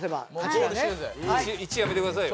１やめてくださいよ。